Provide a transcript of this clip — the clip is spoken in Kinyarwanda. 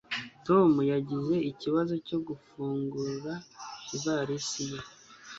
tom yagize ikibazo cyo gufungura ivalisi ye